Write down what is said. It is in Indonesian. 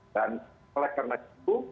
dan oleh karena itu